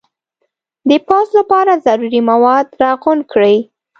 د پوځ لپاره ضروري مواد را غونډ کړي.